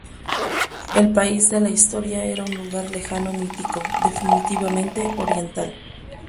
El país de la historia era un lugar lejano mítico, definitivamente oriental.